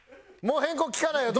もう変更利かないよ。